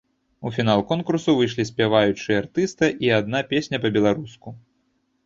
У фінал конкурсу выйшлі спяваючыя артысты і адна песня па-беларуску.